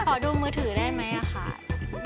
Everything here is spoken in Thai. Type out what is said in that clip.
ขอดูมือถือได้ไหมค่ะ